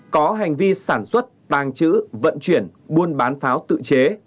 có hành vi sản xuất tàng trữ vận chuyển buôn bán pháo tự chế